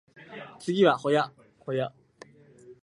次は保谷保谷